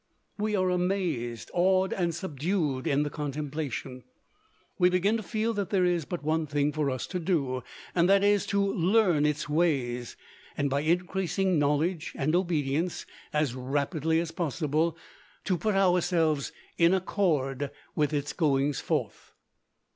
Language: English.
We are amazed, awed and subdued in the contemplation. We begin to feel that there is but one thing for us to do, and that is, to learn its ways and by increasing knowledge and obedience, as rapidly as possible to put ourselves in accord with its goings forth.